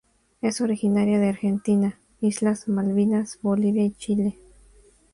Es originaria de Argentina, islas Malvinas, Bolivia y Chile.